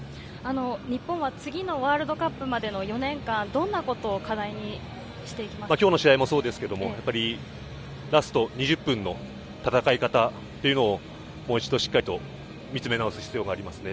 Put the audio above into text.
日本は次のワールドカップまでの４年間、どんなことを課題にしきょうの試合もそうですけれども、やっぱりラスト２０分の戦い方というのをもう一度しっかりと見つめ直す必要がありますね。